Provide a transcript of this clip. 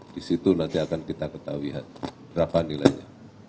di situ nanti akan kita ketahui berapa nilainya